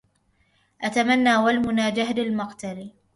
أتمنى والمنى جهد المقل